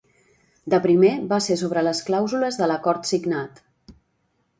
De primer va ser sobre les clàusules de l’acord signat.